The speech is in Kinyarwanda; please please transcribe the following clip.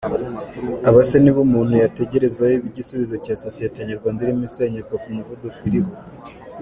Aba se nibo umuntu yategerezaho igisubizo cya societe-nyarwanda irimo isenyuka ku muvuduko iriho ?!.